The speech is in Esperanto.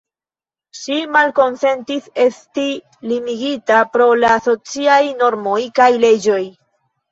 Ŝi malkonsentis esti limigita pro la sociaj normoj kaj leĝoj.